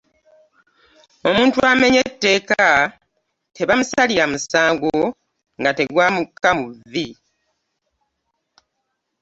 Omuntu amenye etteeka tebamusalira musango nga teguvamukka mu vvi.